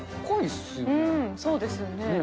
そうですよね。